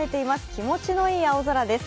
気持ちのいい青空です。